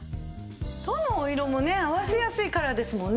どのお色もね合わせやすいカラーですもんね。